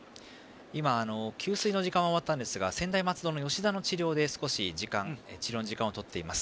今、給水の時間は終わったんですが専大松戸の吉田の治療で時間をとっています。